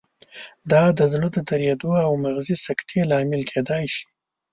دا د زړه د دریدو او مغزي سکتې لامل کېدای شي.